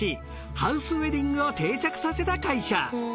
ハウスウェディングを定着させた会社。